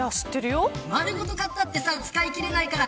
丸ごと買ったって使い切れないから。